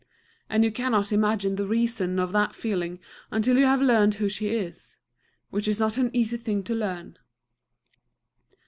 And you cannot imagine the reason of that feeling until you have learned who she is, which is not an easy thing to learn.